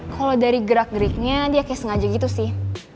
kalau dari gerak geriknya dia kayak sengaja gitu sih